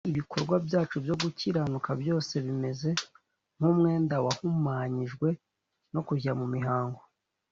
Kandi ibikorwa byacu byo gukiranuka byose bimeze nk umwenda wahumanyijwe no kujya mu mihango